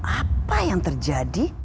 apa yang terjadi